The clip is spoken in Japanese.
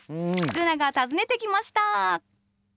ルナが訪ねてきました！